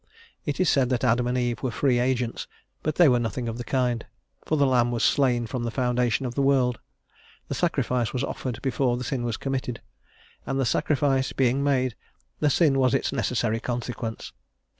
It is said that Adam and Eve were free agents, but they were nothing of the kind, for the lamb was slain from the foundation of the world: the sacrifice was offered before the sin was committed; and the sacrifice being made, the sin was its necessary consequence.